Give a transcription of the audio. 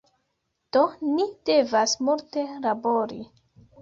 Do ni devas multe labori